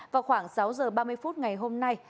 vào khoảng sáu giờ ba mươi phút ngày hôm nay